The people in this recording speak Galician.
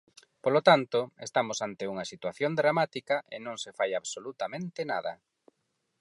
Polo tanto, estamos ante unha situación dramática e non se fai absolutamente nada.